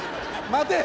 待て！